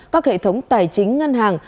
các hệ thống tài chính ngân hàng